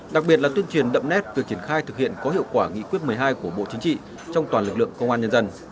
đặc biệt là tuyên truyền đậm nét việc triển khai thực hiện có hiệu quả nghị quyết một mươi hai của bộ chính trị trong toàn lực lượng công an nhân dân